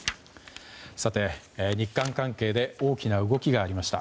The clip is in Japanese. さて、日韓関係で大きな動きがありました。